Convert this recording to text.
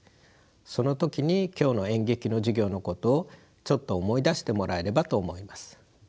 その時に今日の演劇の授業のことをちょっと思い出してもらえればと思います。